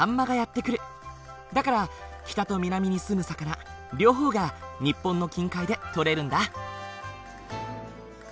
だから北と南に住む魚両方が日本の近海で取れるんだ。